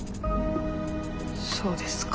そうですか。